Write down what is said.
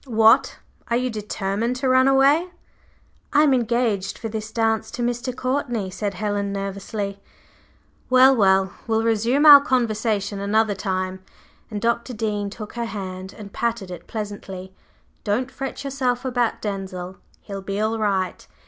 What! Are you determined to run away?" "I am engaged for this dance to Mr. Courtney," said Helen, nervously. "Well, well! We'll resume our conversation another time," and Dr. Dean took her hand and patted it pleasantly. "Don't fret yourself about Denzil; he'll be all right.